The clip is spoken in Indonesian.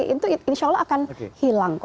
itu insya allah akan hilang